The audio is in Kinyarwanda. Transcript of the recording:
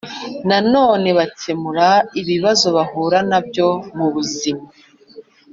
na none bakemura ibibazo bahura na byo mu buzima.